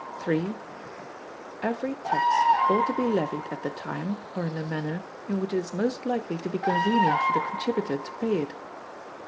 "3. Every tax ought to be levied at the time, or in the manner, in which it is most likely to be convenient for the contributor to pay it.